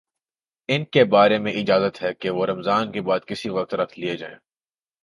ان کے بارے میں اجازت ہے کہ وہ رمضان کے بعد کسی وقت رکھ لیے جائیں